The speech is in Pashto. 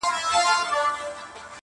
چي ور ياده د پيشو به يې ځغستا سوه؛